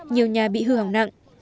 nhiều nhà bị hư hỏng nặng